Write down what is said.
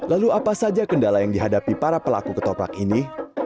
lalu apa saja kendala yang dihadapi para pelaku ketoprak ini